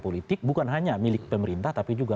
politik bukan hanya milik pemerintah tapi juga